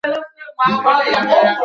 আপনি আমাদের ট্রাকের চাবি নিয়ে এসেছেন।